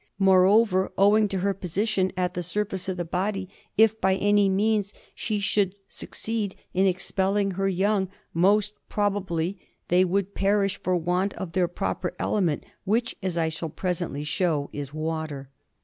Moreover, owing to her position at the surface of the body, if by any means she should succeed in expelling her young most probably they would perish from want of their proper element, which, as I shall presently show, is water.